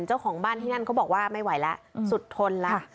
เจ้าของบ้านที่นั่นเขาบอกว่าไม่ไหวแล้วสุดทนแล้ว